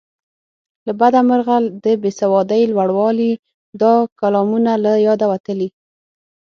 له بده مرغه د بې سوادۍ لوړوالي دا کلامونه له یاده وتلي.